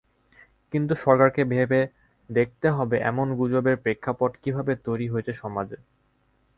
কিন্তু সরকারকে ভেবে দেখতে হবে এমন গুজবের প্রেক্ষাপট কীভাবে তৈরি হয়েছে সমাজে।